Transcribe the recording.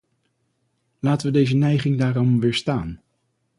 Late we deze neiging daarom weerstaan.